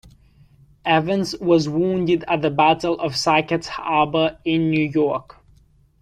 Evans was wounded at the Battle of Sackett's Harbor in New York.